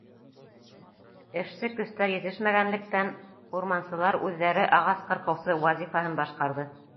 Эшсе көстәр етешмәгәнлектән, урмансылар үҙҙәре ағас ҡырҡыусы вазифаһын башҡарҙы.